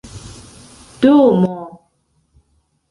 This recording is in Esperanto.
domo